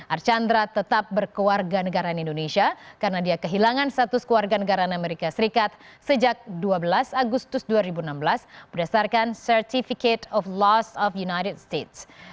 archandra tetap berkewarga negara indonesia karena dia kehilangan status keluarga negaraan amerika serikat sejak dua belas agustus dua ribu enam belas berdasarkan certificate of laws of united states